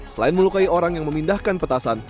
selain melukai orang yang memindahkan petasan